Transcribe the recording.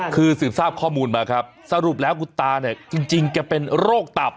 คือสืบทราบข้อมูลมาครับสรุปแล้วคุณตาเนี่ยจริงแกเป็นโรคตับ